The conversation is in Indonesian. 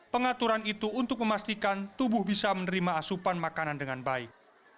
pengaturan itu untuk memastikan tubuh bisa menerima asupan makanan dengan baik